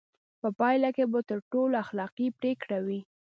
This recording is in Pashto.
په پایله کې به تر ټولو اخلاقي پرېکړه وي.